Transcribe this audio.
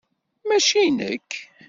Mačči inek.